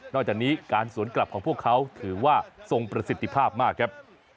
จากนี้การสวนกลับของพวกเขาถือว่าทรงประสิทธิภาพมากครับ